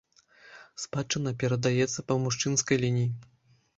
Спадчына перадаецца па мужчынскай лініі.